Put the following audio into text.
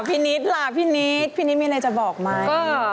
นิดล่ะพี่นิดพี่นิดมีอะไรจะบอกไหม